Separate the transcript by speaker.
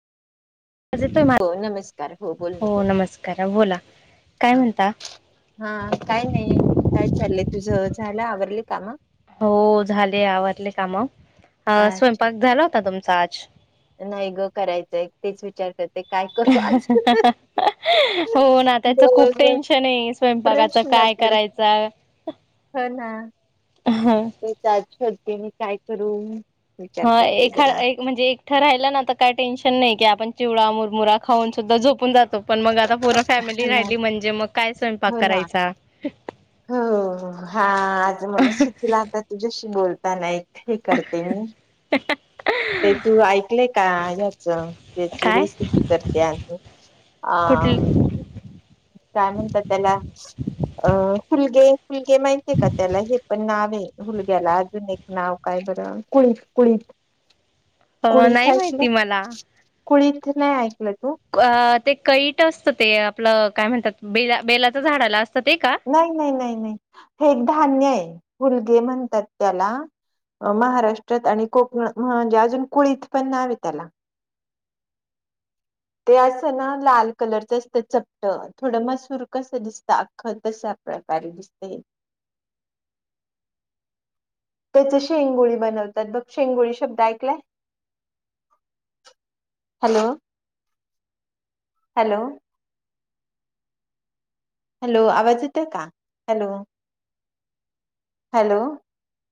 Speaker 1: आवाज येतोय मा
Speaker 2: हो नमस्कार हो बोल ना
Speaker 1: नमस्कार बोला काय
Speaker 2: हा
Speaker 1: म्हणता
Speaker 2: हा काय नाही काय चाललंय तुझ झाला आवरली काम
Speaker 1: हो झाले आवरले काम
Speaker 2: अच्छा
Speaker 1: स्वयंपाक झाला होता तुमचा आज
Speaker 2: नाही ग करायचंय तेच विचार करते काय करू आज
Speaker 1: हो ना त्याच खूप
Speaker 2: बरोबर
Speaker 1: टेन्शन आहे स्वयंपाकाच काय करायचं
Speaker 2: ह ना ते [unintelligible] मी काय करू. विचार
Speaker 1: हा
Speaker 2: करते
Speaker 1: एखा
Speaker 2: जरा
Speaker 1: म्हणजे एकठं राहिलं ना तर काय टेन्शन नाही की पण चिवडा मुरमुरा खाऊन सुद्धा झोपून जातो पण मगं आता पूर् फॅमिली
Speaker 2: हो ना
Speaker 1: राहिली म्हणजे मगं काय स्वयंपाक
Speaker 2: हो ना
Speaker 1: करायचा.
Speaker 2: हो हा आज मला सुचला आता तुझ्याशी बोलताना. हे करते मी. ते तू ऐकलयं का हच त्याची
Speaker 1: काय
Speaker 2: रेसिपी करत्यात. अ
Speaker 1: कुठली
Speaker 2: कायं म्हणतात त्याला अ हुलगे. हुलगे माहितीे का त्याला हे पणं हुलग्याला अजून एक नाव काय बरं कुळीत कुळीत
Speaker 1: अ नाही माहिती मलां.
Speaker 2: कुळीतं नाही ए-
Speaker 1: अ ते कैट असत ते आपलं काय म्हणतात ब बेलाच झाडाला असतं. ते का
Speaker 2: नाही नाही नाही नाही हे एक धान्य आहे हुलगे म्हणतात त्याला. महाराष्ट्रात आणि कोकण म्हणजे अजून कुळीत पण नाव त्याला. ते असं ना लाल कलरच असतं चपट थोडं मसूर कसं दिसतं अख्खं कसं. [unintelligible] दिसते. त्याच शेंगोळी बनवतात बघ शेंगोळी शब्द ऐकलायं. हॅलो. हॅलो. हॅलो आवाज येत का हॅलो. हॅलो.